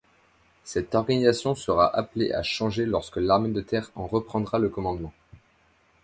Cette organisation sera appelée à changer lorsque l’armée de terre en reprendra le commandement.